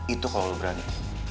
itu kalau lo berani